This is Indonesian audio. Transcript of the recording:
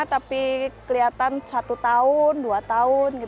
tapi kelihatan satu tahun dua tahun